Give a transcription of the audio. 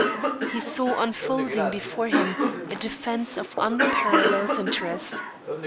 He saw unfolding before him a defence of unparalleled interest.